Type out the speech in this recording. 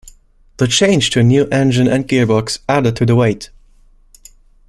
The change to a new engine and gearbox added to the weight.